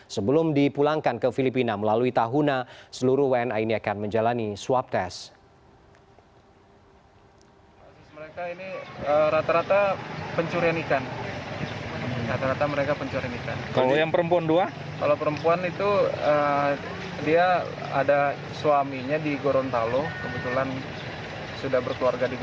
sebelum dipulangkan ke filipina melalui tahuna seluruh wni ini akan menjalani swab test